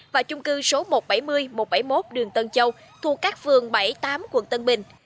và chung cư số một trăm bảy mươi một trăm bảy mươi một đường tân châu thuộc các phường bảy tám quận tân bình